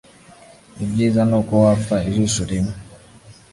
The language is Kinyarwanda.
Ibyiza ni uko wapfa ijisho rimwe